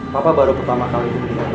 papa baru pertama kali